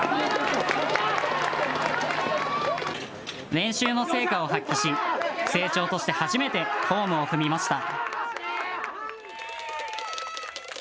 練習の成果を発揮し青鳥として初めてホームを踏みました。